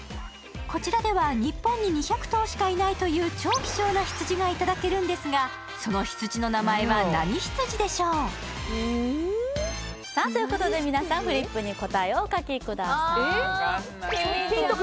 こちらでは日本に２００頭しかいないという超希少な羊がいただけるんですがその羊の名前は何羊でしょうさあということで皆さんフリップに答えをお書きください分かんないヒント